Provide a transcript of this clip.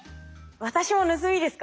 私も盗みですか？